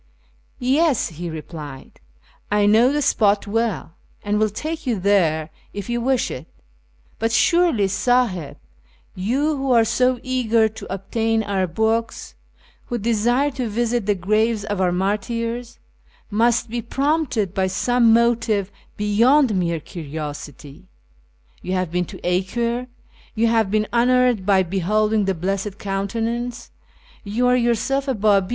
" Yes," he replied, " I know the spot well, and will take you there if you wish it ; but surely, Sahib, you who are so eager to obtain our books, who desire to visit the graves of our martyrs, must be prompted by some motive beyond mere curi osity. You have been to Acre, you have been honoured by beholding the Blessed Countenance, you are yourself a Babi.